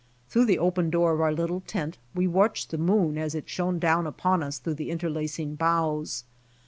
Through the open door of. our little tent, we watched the mjoon as it shone down upon us through the interlacing boughs.